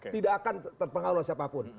tidak akan terpengaruh siapapun